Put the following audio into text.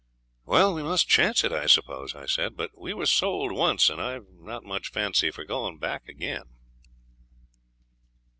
'Well, we must chance it, I suppose,' I said; 'but we were sold once, and I've not much fancy for going back again.'